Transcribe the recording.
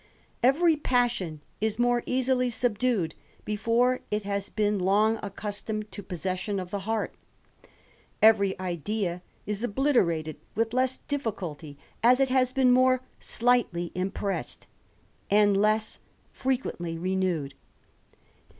Every passion ts more ^^^ply subdued before it has been long accustomed to ^^^ssession of the heart ; every idea is obliterated witli less difGculty, as it has been more slightly impressed, and less frequently renewed.